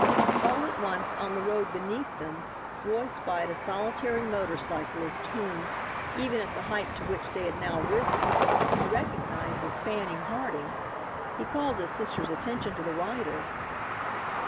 All at once, on the road beneath them, Roy spied a solitary motor cyclist whom, even at the height to which they had now risen, he recognized as Fanning Harding. He called his sister's attention to the rider.